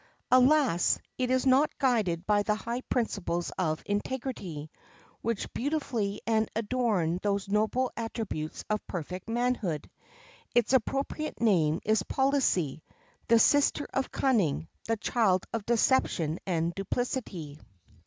Alas! it is not guided by the high principles of integrity, which beautify and adorn those noble attributes of perfect manhood. Its appropriate name is policy, the sister of cunning, the child of deception and duplicity.